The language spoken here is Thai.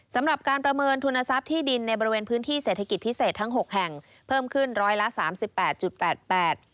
สำหรับการประเมินทุนทรัพย์ที่ดินในบริเวณพื้นที่เศรษฐกิจพิเศษทั้ง๖แห่งเพิ่มขึ้น๑๓๘๘๘บาท